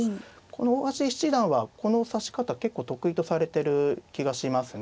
大橋七段はこの指し方結構得意とされてる気がしますね。